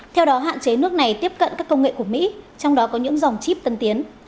theo đó hạn chế nước này tiếp cận các công nghệ của mỹ trong đó có những dòng chip tân tiến